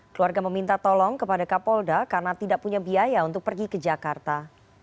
keluarga meminta tolong kepada kapolda karena tidak punya biaya untuk pergi ke jakarta